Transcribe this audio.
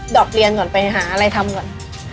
อกเรียนก่อนไปหาอะไรทำก่อน